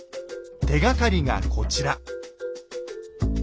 手がかりがこちら。